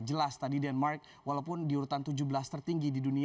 jelas tadi denmark walaupun di urutan tujuh belas tertib